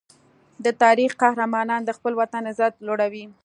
د تاریخ قهرمانان د خپل وطن عزت لوړوي.